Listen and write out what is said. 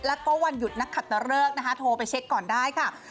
แล้วก็วันหยุดนักขัดตะเลิกนะคะโทรไปเช็คก่อนได้ค่ะ